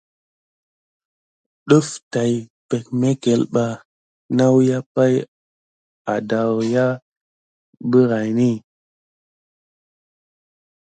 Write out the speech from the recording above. Ɗəf tay peɗmekel ɓa nawua pay adaye birayini.